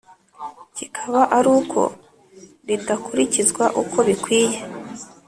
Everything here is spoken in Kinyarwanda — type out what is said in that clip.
kikaba ari uko ridakurikizwa uko bikwiye